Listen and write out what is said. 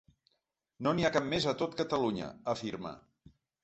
No n’hi ha cap més a tot Catalunya, afirma.